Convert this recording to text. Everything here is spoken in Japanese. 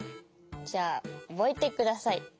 じゃあおぼえてください。